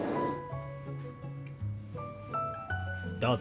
どうぞ。